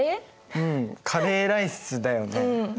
うんカレーライスだよね。